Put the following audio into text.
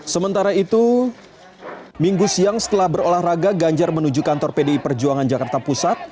sementara itu minggu siang setelah berolahraga ganjar menuju kantor pdi perjuangan jakarta pusat